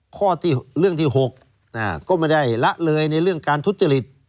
เรื่องที่๖ก็ไม่ได้ละเลยในเรื่องการทุจริต